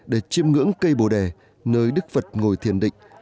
để chiêm ngưỡng cây bồ đẻ nơi đức phật ngồi thiền định